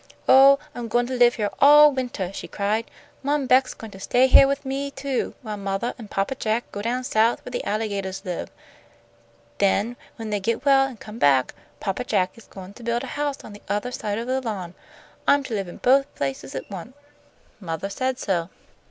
"Oh, I'm goin' to live heah all wintah," she cried. "Mom Beck's goin' to stay heah with me, too, while mothah an' Papa Jack go down South where the alligatahs live. Then when they get well an' come back, Papa Jack is goin' to build a house on the othah side of the lawn. I'm to live in both places at once; mothah said so."